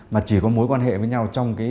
mà chỉ có mối quan hệ với nhau trong cái